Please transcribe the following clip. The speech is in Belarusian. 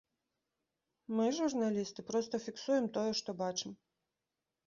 Мы, журналісты, проста фіксуем тое, што бачым.